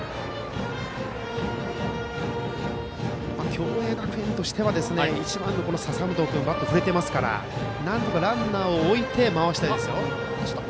共栄学園としては１番の笹本君がバット振れていますからなんとかランナーを置いて回したいですよ。